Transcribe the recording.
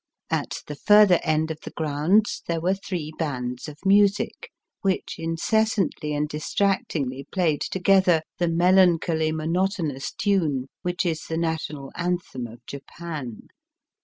At the further end of the grounds there were three bands of music, which inces santly and distractingly played together the melancholy, monotonous tune which is the national anthem of Japan.